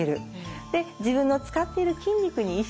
で自分の使っている筋肉に意識を向ける。